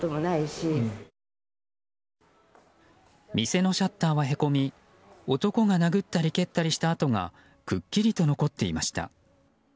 店のシャッターは凹み男が殴ったり蹴ったりした跡がくっきりと残っていました。